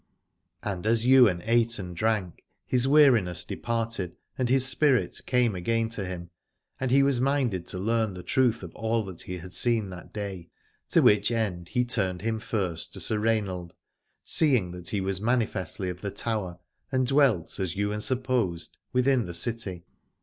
And as Yv^ain ate and drank his weariness departed and his spirit came again to him, and he was minded to learn the truth of all that he had seen that day. To which end he turned him first to Sir Rainald, seeing that he was manifestly of the Tower and dwelt, as Ywain supposed, within the city.